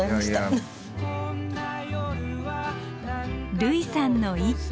類さんの一句。